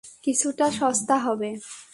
কিছুটা সস্তা হবে।